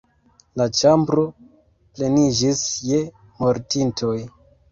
La ĉambro pleniĝis je mortintoj.